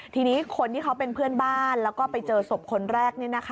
ทีนี้คนที่เขาเป็นเพื่อนบ้านแล้วก็ไปเจอศพคนแรก